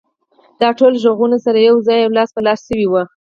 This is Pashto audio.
دا ټول غږونه سره يو ځای او لاس په لاس شوي وو.